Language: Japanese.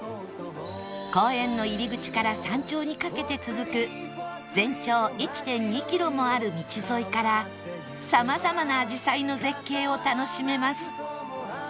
公園の入り口から山頂にかけて続く全長 １．２ キロもある道沿いから様々なあじさいの絶景を楽しめます